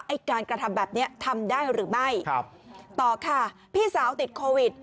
ไอ้การกระทำแบบเนี้ยทำได้หรือไม่ครับต่อค่ะพี่สาวติดโควิด